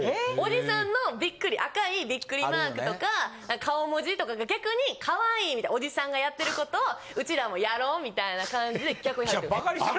おじさんのビックリ、赤いビックリマークとか顔文字とかが逆にかわいいみたいな、おじさんがやってることをうちらもやろうみたいな感じで逆にやる。